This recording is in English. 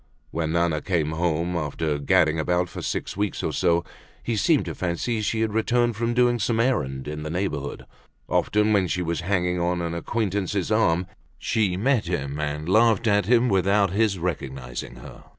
When Nana came home after gadding about for six weeks or so he seemed to fancy she had returned from doing some errand in the neighborhood. Often when she was hanging on an acquaintance's arm she met him and laughed at him without his recognizing her.